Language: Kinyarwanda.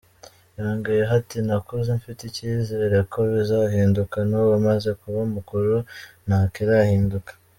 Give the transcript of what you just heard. Yongeyeho ati “Nakuze mfite icyizere ko bizahinduka, n’ ubu maze kuba mukuru ntakirahinduka.